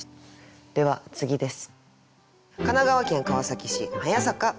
では次です。